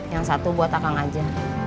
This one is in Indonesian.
yang satu buat akang aja